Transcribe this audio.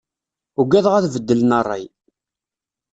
Uggadeɣ ad beddlen rray.